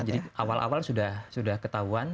jadi awal awal sudah ketahuan